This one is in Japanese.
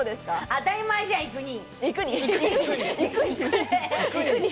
当たり前じゃん、行くに。